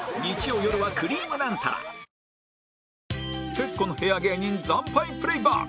徹子の部屋芸人惨敗プレイバック